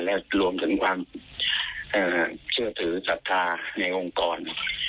และรวมถึงความเชื่อถือศรัทธาในองค์กร